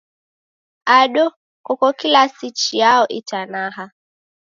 Ado, koko kilasi chiyao itanaha?